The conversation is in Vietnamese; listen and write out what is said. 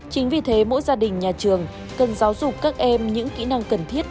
chính vì thế mỗi gia đình nhà trường cần giáo dục các em những kỹ năng cần thiết